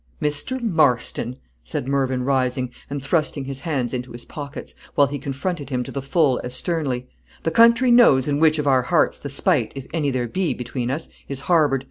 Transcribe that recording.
"Mr. Marston," said Mervyn, rising, and thrusting his hands into his pockets, while he confronted him to the full as sternly, "the country knows in which of our hearts the spite, if any there be between us, is harbored.